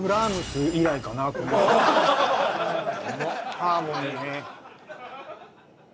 ハーモニーね。